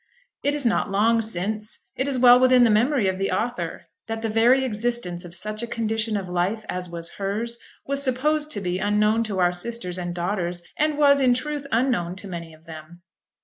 It is not long since, it is well within the memory of the author, that the very existence of such a condition of life, as was hers, was supposed to be unknown to our sisters and daughters, and was, in truth, unknown to many of them.